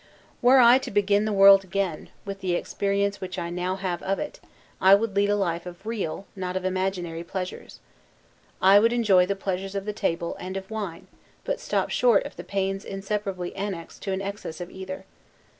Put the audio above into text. Were I to begin the world again, with the experience which I now have of it, I would lead a life of real, not of imaginary pleasures. I would enjoy the pleasures of the table, and of wine; but stop short of the pains inseparably annexed to an excess of either.